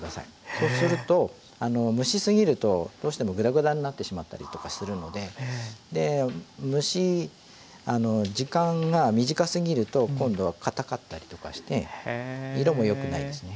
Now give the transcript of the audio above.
そうすると蒸しすぎるとどうしてもグダグダになってしまったりとかするので蒸し時間が短すぎると今度はかたかったりとかして色もよくないですね。